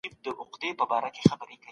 خبرې ستاسو شعور دی.